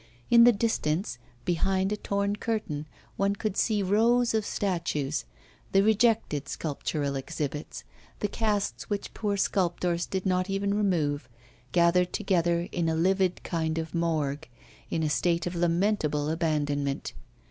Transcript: In the distance, behind a torn curtain, one could see rows of statues, the rejected sculptural exhibits, the casts which poor sculptors did not even remove, gathered together in a livid kind of Morgue, in a state of lamentable abandonment.